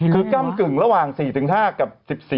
คือก้ำกึ่งระหว่าง๔๕กับ๑๔